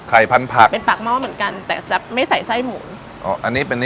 พันผักเป็นปากหม้อเหมือนกันแต่จะไม่ใส่ไส้หมูอ๋ออันนี้เป็นอันนี้